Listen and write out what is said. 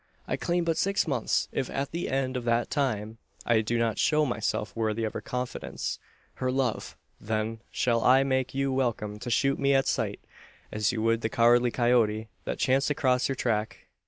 I claim but six months. If at the end of that time I do not show myself worthy of her confidence her love then shall I make you welcome to shoot me at sight, as you would the cowardly coyote, that chanced to cross your track.